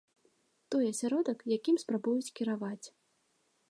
Той асяродак, якім спрабуюць кіраваць.